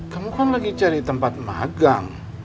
kamu kan lagi cari tempat magang